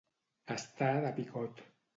Estar de picot.